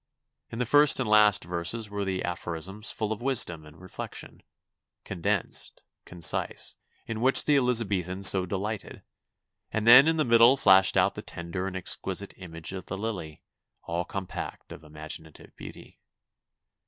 In the first and last verses were the aphorisms full of wisdom and reflection, condensed, concise, in which the Elizabethans so delighted, and then in the middle flashed out the tender and exquisite image of the Hly, aU compact of imaginative beauty.